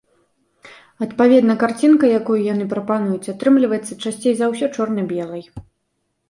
Адпаведна, карцінка, якую яны прапануюць, атрымліваецца часцей за ўсё чорна-белай.